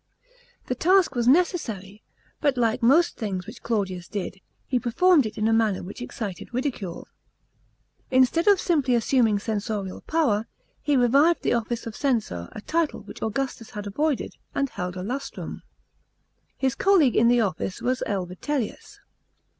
The task was necessary, but like most things which Claudius did, he performed it in a manner which excited ridicule. Instead of simply assuming censorial power, he revived (47, 48 A.D.)* the office of censor— a title which Augustus had avoided — and held a lustrum. His colleague in the office was L. Vitellius.